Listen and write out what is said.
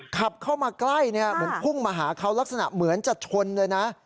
ขับเข้ามาใกล้เหมือนพุ่งมาหาเขาลักษณะเหมือนจะชนเลยนะ